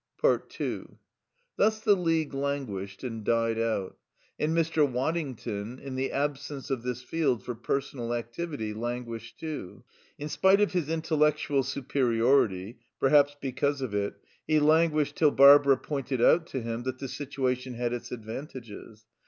2 Thus the League languished and died out; and Mr. Waddington, in the absence of this field for personal activity, languished too. In spite of his intellectual superiority, perhaps because of it, he languished till Barbara pointed out to him that the situation had its advantages.